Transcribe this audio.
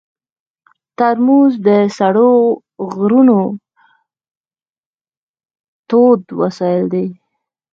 ترموز د سړو غرونو تود وسایل دي.